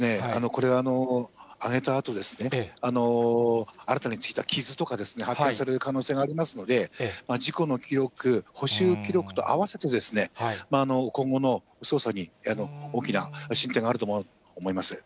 これは揚げたあと、新たについた傷とか、破壊される可能性がありますので、事故の記録、補修記録と合わせて、今後の捜査に大きな進展があると思います。